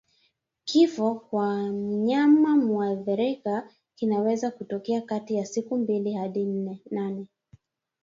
Kifo kwa mnyama muathirika kinaweza kutokea kati ya siku mbili hadi nane